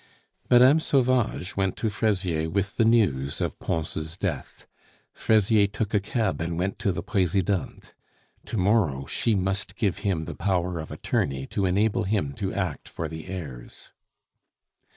Mme. Sauvage went to Fraisier with the news of Pons' death. Fraisier took a cab and went to the Presidente. To morrow she must give him the power of attorney to enable him to act for the heirs.